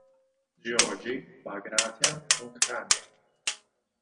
Georgi Bagration-Mukhrani